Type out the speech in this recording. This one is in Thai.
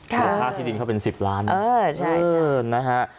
ค่ะค่าที่ดินเขาเป็น๑๐ล้านเออใช่นะฮะ